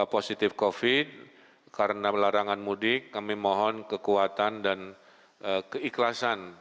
positif covid sembilan belas karena larangan mudik kami mohon kekuatan dan keikhlasan